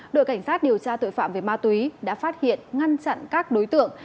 đội cảnh sát điều tra tội phạm về ma túy đã phát hiện ngăn chặn các đối tượng